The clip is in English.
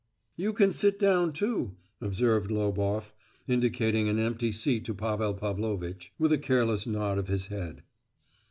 "You can sit down too," observed Loboff, indicating an empty seat to Pavel Pavlovitch, with a careless nod of his head.